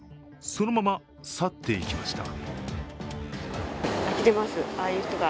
そのまま去っていきました。